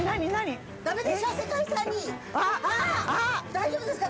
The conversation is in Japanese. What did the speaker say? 大丈夫ですか！？